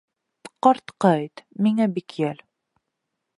— Ҡартҡа әйт, миңә бик йәл.